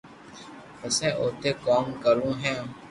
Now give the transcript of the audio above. پسي اوتي ڪوم ڪرو ھون